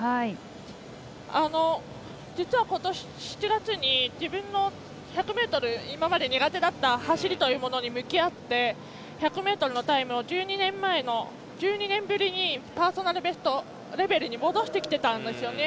実は今年７月に自分が今まで苦手だった走りというものに向き合って１００ｍのタイムを１２年ぶりにパーソナルベストレベルに戻してきていたんですね。